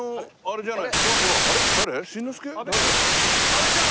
阿部ちゃん？